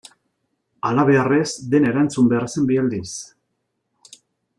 Halabeharrez dena erantzun behar zen bi aldiz.